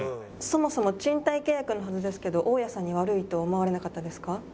そもそも賃貸契約のはずですけど大家さんに悪いと思われなかったですか？